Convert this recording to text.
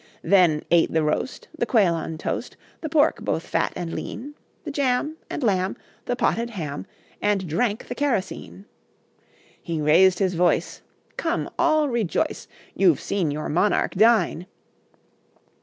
Then ate the roast, The quail on toast, The pork, both fat and lean; The jam and lamb, The potted ham, And drank the kerosene. He raised his voice: "Come, all rejoice, You've seen your monarch dine."